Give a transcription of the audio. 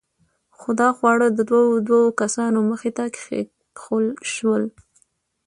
خو دا خواړه د دوو دوو کسانو مخې ته کېښوول شول.